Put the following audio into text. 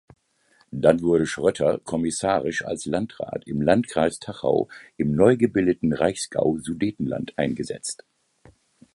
Dann wurde Schrötter kommissarisch als Landrat im Landkreis Tachau im neugebildeten Reichsgau Sudetenland eingesetzt.